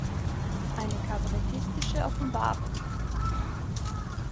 Eine kabarettistische Offenbarung".